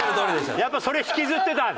やっぱそれ引きずってた。